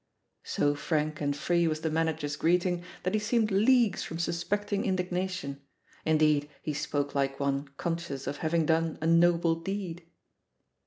So frank and free was the manager's greeting that he seemed leagues from suspecting indignar tion. Indeed, he spoke like one conscious of having done a noble deed.